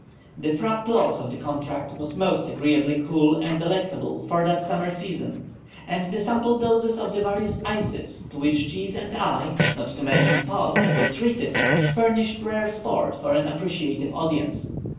The frappe clause of the contract was most agreeably cool and delectable for that summer season, and the sample doses of the various ices to which Cheese and I, not to mention Pod, were treated, furnished rare sport for an appreciative audience.